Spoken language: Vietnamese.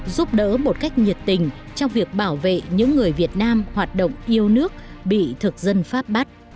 giúp đỡ một cách nhiệt tình trong việc bảo vệ những người việt nam hoạt động yêu nước bị thực dân pháp bắt